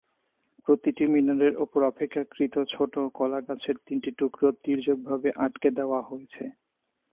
প্রতিটি মিনারের ওপর অপেক্ষাকৃত ছোট কলাগাছের তিনটি টুকরো তির্যকভাবে আটকে দেওয়া হয়েছে।